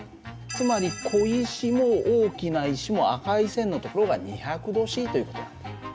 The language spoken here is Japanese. つまり小石も大きな石も赤い線のところが２００℃という事なんだ。